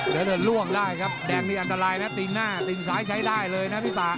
เดินล่วงได้ครับแดงนี่อันตรายนะตีนหน้าตีนซ้ายใช้ได้เลยนะพี่ป่า